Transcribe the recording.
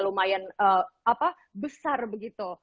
lumayan besar begitu